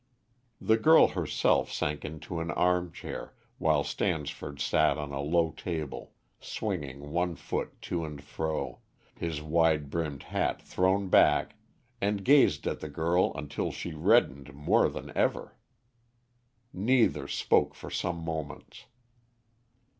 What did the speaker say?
The girl herself sank into an armchair, while Stansford sat on a low table, swinging one foot to and fro, his wide brimmed hat thrown back, and gazed at the girl until she reddened more than ever. Neither spoke for some moments.